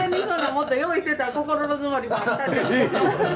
もっと用意してたら心の積もりもあったのに。